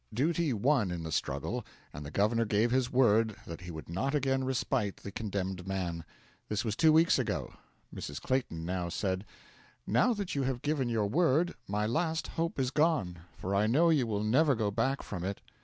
Duty won in the struggle, and the Governor gave his word that he would not again respite the condemned man. This was two weeks ago. Mrs. Clayton now said: 'Now that you have given your word, my last hope is gone, for I know you will never go back from it.